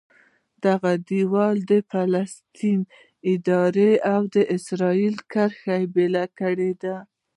دغه دیوال د فلسطیني ادارې او اسرایلو کرښه بېله کړې ده.